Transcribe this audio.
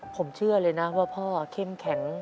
ผมเชื่อเลยนะว่าพ่อเข้มแข็ง